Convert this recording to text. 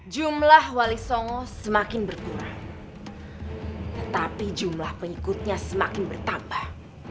jumlah wali songo semakin berkurang tetapi jumlah pengikutnya semakin bertambah